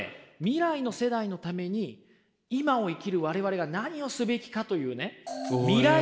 未来の世代のために今を生きる我々が何をすべきかというね未来